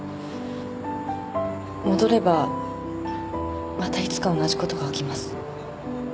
戻ればまたいつか同じことが起きます。